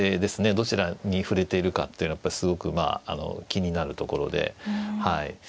どちらに振れているかっていうのはやっぱりすごくまあ気になるところではい。